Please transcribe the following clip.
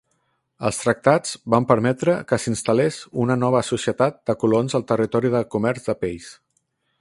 Els tractats van permetre que s'instal·lés una nova societat de colons al territori de comerç de pells.